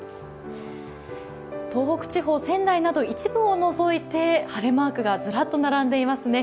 東北地方、仙台など一部を除いて晴れマークがずらっと並んでますね。